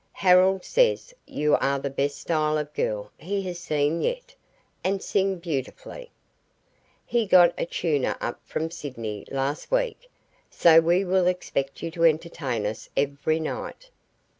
Harold says you are the best style of girl he has seen yet, and sing beautifully. He got a tuner up from Sydney last week, so we will expect you to entertain us every night."